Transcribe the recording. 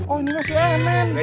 oh ini mas yemen